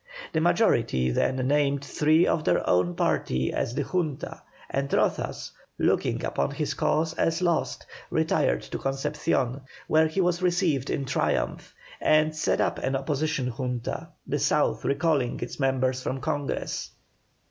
The majority then named three of their own party as the Junta, and Rozas, looking upon his cause as lost, retired to Concepcion, where he was received in triumph, and set up an opposition Junta, the South recalling its members from Congress.